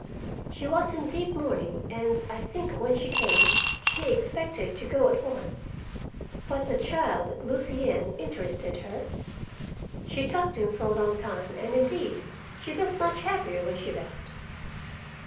She was in deep mourning, and, I think, when she came, she expected to go at once. But the child, Lucien, interested her. She talked to him for a long time, and, indeed, she looked much happier when she left."